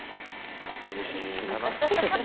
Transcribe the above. ２，０００円かな。